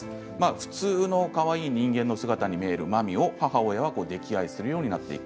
普通のかわいい人間の姿に見えるマミを母親は溺愛するようになっていく。